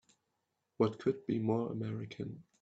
What could be more American!